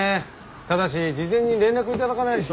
ただし事前に連絡を頂かないと。